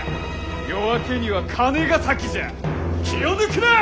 夜明けには金ヶ崎じゃ気を抜くな！